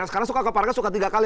karena suka ke parkir suka tiga kali